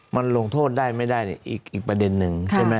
มันลงโทษได้ไม่ได้เนี่ยอีกประเด็นนึงใช่ไหม